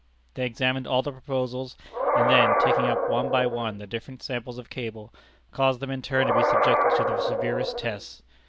They examined all the proposals, and then, taking up one by one the different samples of cable, caused them in turn to be subjected to the severest tests.